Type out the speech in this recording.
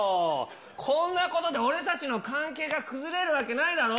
こんなことで、俺たちの関係が崩れるわけないだろ？